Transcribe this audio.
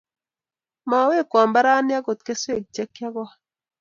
Mawekwo mbaranni agot keswek che kiagol